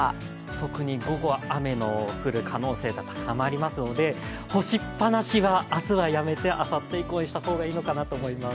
特に午後は雨の降る可能性が高まりますので干しっぱなしは明日はやめてあさって以降にした方がいいかと思います。